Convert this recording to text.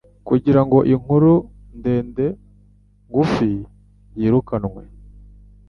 Kugira ngo inkuru ndende ngufi, yirukanwe.